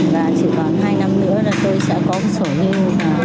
và chỉ còn hai năm nữa là tôi sẽ có một số hưu